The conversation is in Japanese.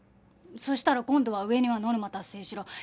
そしたら今度は上には「ノルマ達成しろ」